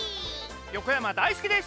横山だいすけです！